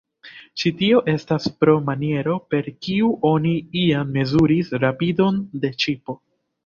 Ĉi tio estas pro maniero, per kiu oni iam mezuris rapidon de ŝipo.